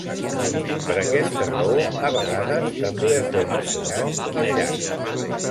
Per aquesta raó, a vegades també es dona el seu nom al llac.